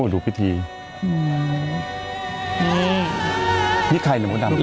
นี่ใครหนูดำ